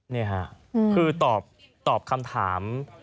นี่ค่ะคือตอบคำถาม